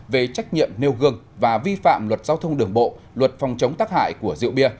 về trách nhiệm nêu gương và vi phạm luật giao thông đường bộ luật phòng chống tác hại của rượu bia